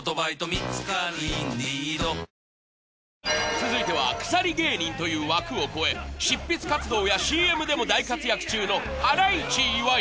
続いては腐り芸人という枠を超え執筆活動やＣＭでも大活躍中のハライチ岩井。